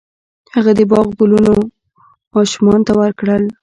هغه د باغ ګلونه ماشومانو ته ورکړل.